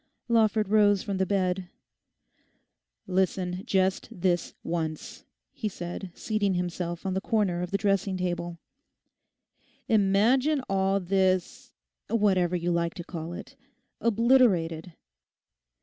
Lawford rose from the bed. 'Listen just this once,' he said, seating himself on the corner of the dressing table. 'Imagine all this—whatever you like to call it—obliterated.